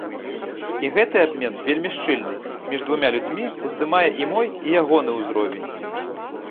І гэты абмен, вельмі шчыльны, між двума людзьмі, уздымае і мой, і ягоны ўзровень.